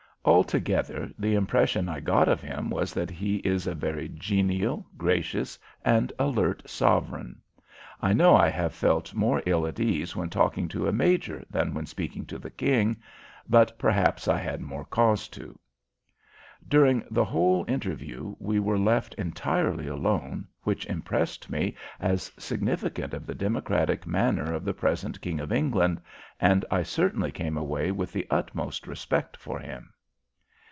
Altogether the impression I got of him was that he is a very genial, gracious, and alert sovereign. I know I have felt more ill at ease when talking to a major than when speaking to the King but perhaps I had more cause to. During the whole interview we were left entirely alone, which impressed me as significant of the democratic manner of the present King of England, and I certainly came away with the utmost respect for him.